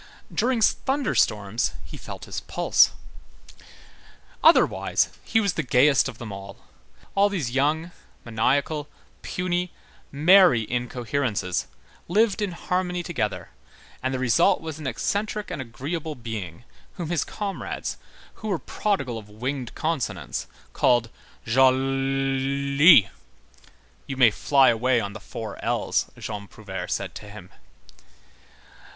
During thunder storms, he felt his pulse. Otherwise, he was the gayest of them all. All these young, maniacal, puny, merry incoherences lived in harmony together, and the result was an eccentric and agreeable being whom his comrades, who were prodigal of winged consonants, called Jolllly. "You may fly away on the four L's," Jean Prouvaire said to him.